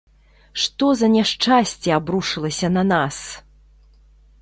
Што за няшчасце абрушылася на нас?